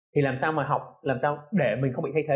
thì làm sao mà học làm sao để mình không bị thay thế